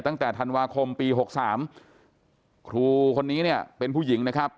ตั้งแต่ธันวาคมปี๖๓ครูคนนี้เนี่ยเป็นผู้หญิงนะครับ